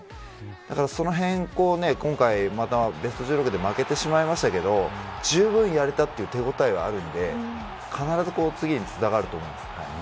だから、そのへん今回、またベスト１６で負けてしまいましたけどじゅうぶんやれたという手応えがあるので必ず次につながると思います。